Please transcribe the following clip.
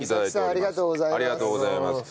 ありがとうございます。